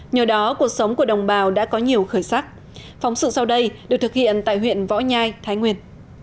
nhờ đó cuộc sống của đồng bào đã có nhiều khởi sắc phóng sự sau đây được thực hiện tại huyện võ nhai thái nguyên